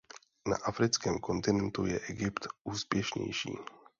Na africkém kontinentu je Egypt úspěšnější.